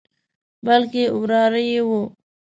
بلکې وراره یې وو.